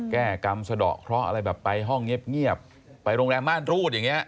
แก้กรรมสะดอกเคราะห์อะไรแบบไปห้องเงียบไปโรงแรมม่านรูดอย่างเงี้